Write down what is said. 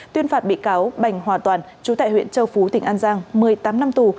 tuyên phạt bị cáo bành hòa toàn chú tại huyện châu phú tỉnh an giang một mươi tám năm tù